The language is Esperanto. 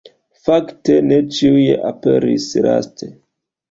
Fakte ne ĉiuj aperis laste.